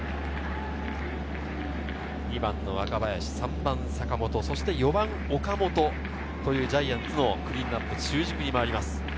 ２番・若林、３番・坂本、４番・岡本、ジャイアンツのクリーンナップ、中軸に回ります。